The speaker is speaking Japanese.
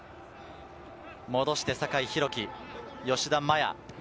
戻して酒井宏樹、吉田麻也。